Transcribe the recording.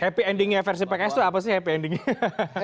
happy endingnya versi pks itu apa sih happy endingnya